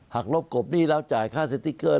กรบกบหนี้แล้วจ่ายค่าสติ๊กเกอร์